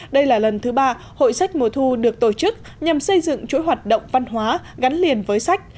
đây là lần thứ ba hội sách mùa thu được tổ chức nhằm xây dựng chuỗi hoạt động văn hóa gắn liền với sách